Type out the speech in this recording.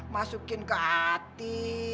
masukin ke hati